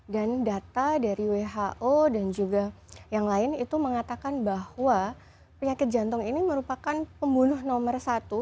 dan data dari who dan juga yang lain itu mengatakan bahwa penyakit jantung ini merupakan pembunuh nomor satu